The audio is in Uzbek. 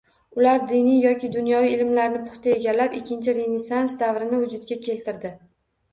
Ular diniy yoki dunyoviy ilmlarni puxta egallab ikkinchi Renessans davrini vujudga keltirdi.